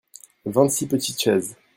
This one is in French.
vingt six petites chaises.